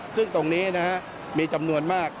ซึ่งตรงนี้มีจำนวนมาก